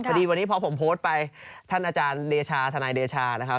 พอดีวันนี้พอผมโพสต์ไปท่านอาจารย์เดชาทนายเดชานะครับ